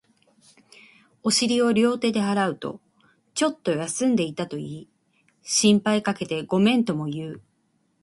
お尻を両手で払うと、ちょっと休んでいたと言い、心配かけてごめんとも言う